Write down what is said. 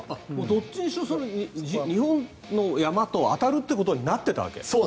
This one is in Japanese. どっちにしろ日本の山と当たるっていうことになっていたわけ？